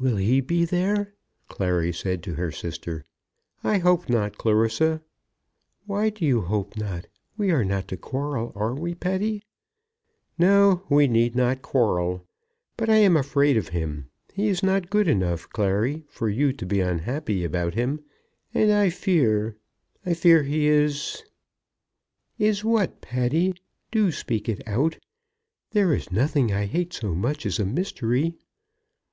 "Will he be there?" Clary said to her sister. "I hope not, Clarissa." "Why do you hope not? We are not to quarrel; are we, Patty?" "No; we need not quarrel. But I am afraid of him. He is not good enough, Clary, for you to be unhappy about him. And I fear, I fear, he is " "Is what, Patty? Do speak it out. There is nothing I hate so much as a mystery."